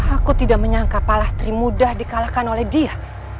aku tidak menyangka palastri mudah dikalahkan oleh dia